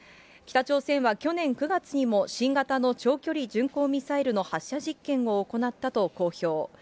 北朝鮮は去年９月にも、新型の長距離巡航ミサイルの発射実験を行ったと公表。